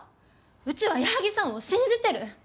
うちは矢作さんを信じてる。